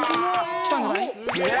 きたんじゃない？